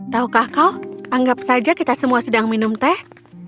tahukah kau anggap saja kita semua sedang minum teh